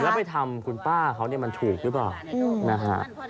แล้วไปทำคุณป้าเขามันถูกหรือเปล่า